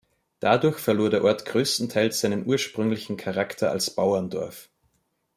Dadurch verlor der Ort größtenteils seinen ursprünglichen Charakter als Bauerndorf.